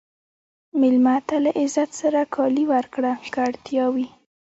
مېلمه ته له عزت سره کالي ورکړه که اړتیا وي.